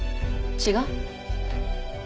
違う？